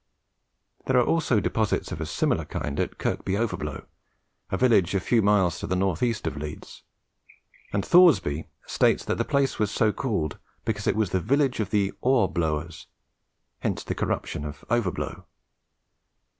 There are also deposits of a similar kind at Kirkby Overblow, a village a few miles to the north east of Leeds; and Thoresby states that the place was so called because it was the village of the "Ore blowers," hence the corruption of "Overblow."